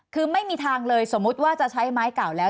คือไม่มีทางเลยสมมุติว่าจะใช้ไม้เก่าแล้ว